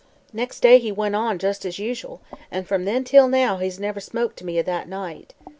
"Nex' day he went on jus' as usual, an' from then till now he's never spoke to me of that night.